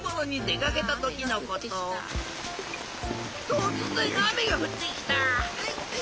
とつぜんあめがふってきた。